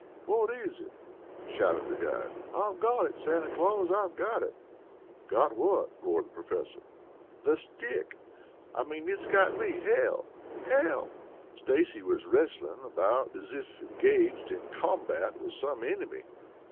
"What is it?" shouted the guide. "I've got it, Santa Claus! I've got it!" "Got what?" roared the Professor. "The stick! I mean it's got me. Help! Help!" Stacy was wrestling about as if engaged in combat with some enemy.